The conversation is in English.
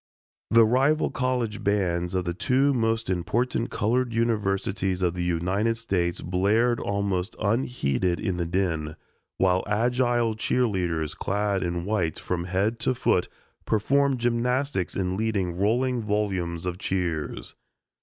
The rival college bands of the two most important colored universities of the United States blared almost unheeded in the din, while agile cheerleaders clad in white from head to foot performed gymnastics in leading rolling volumes of cheers.